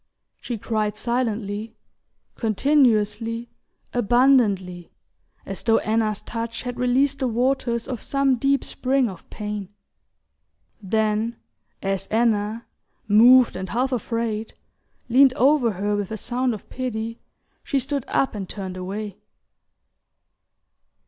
She cried silently, continuously, abundantly, as though Anna's touch had released the waters of some deep spring of pain; then, as Anna, moved and half afraid, leaned over her with a sound of pity, she stood up and turned away.